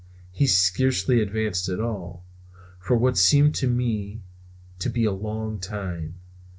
He scarcely advanced at all, for what seemed to me to be a long time.